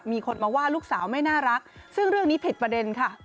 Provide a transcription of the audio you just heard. มีคนมาว่าลูกสาวไม่น่ารักซึ่งเรื่องนี้ผิดประเด็นค่ะ